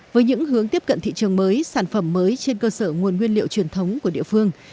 với những hướng tiếp cận thị trường mới sản phẩm mới trên cơ sở nguồn nguyên liệu truyền thống của địa phương